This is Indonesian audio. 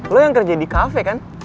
lo yang kerja di kafe kan